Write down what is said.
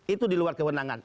itu di luar kewenangan